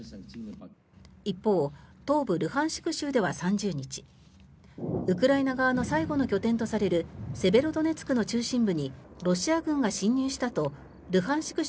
一方、東部ルハンシク州では３０日ウクライナ側の最後の拠点とされるセベロドネツクの中心部にロシア軍が侵入したとルハンシク